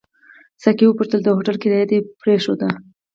ساقي وپوښتل: د هوټل کرایه دې پرېښوده؟